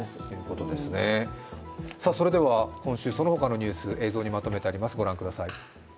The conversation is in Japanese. それでは今週、そのほかのニュース、映像にまとめてあります